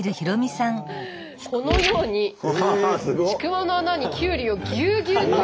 このようにちくわの穴にきゅうりをぎゅうぎゅうと。